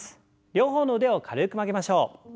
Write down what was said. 両方の腕を軽く曲げましょう。